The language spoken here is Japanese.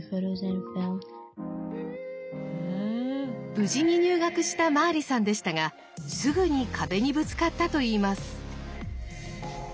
無事に入学したマーリさんでしたがすぐに壁にぶつかったといいます。